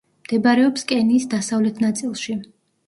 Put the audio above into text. მდებარეობს კენიის დასავლეთ ნაწილში.